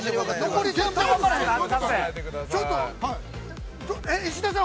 ◆残り全然分からへん。